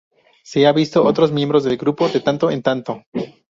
Se ha visto a otros miembros del grupo de tanto en tanto.